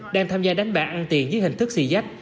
đang tham gia đánh bạc ăn tiền với hình thức xì dách